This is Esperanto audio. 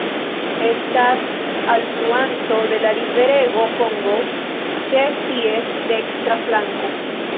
Estas alfluanto de la riverego Kongo ĉe ties dekstra flanko.